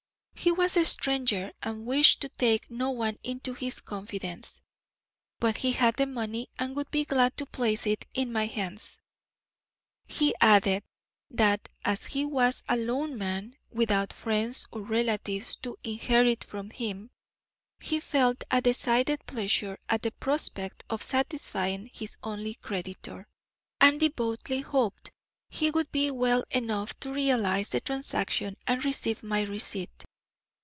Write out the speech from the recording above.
He was a stranger and wished to take no one into his confidence, but he had the money and would be glad to place it in my hands. He added that as he was a lone man, without friends or relatives to inherit from him, he felt a decided pleasure at the prospect of satisfying his only creditor, and devoutly hoped he would be well enough to realise the transaction and receive my receipt.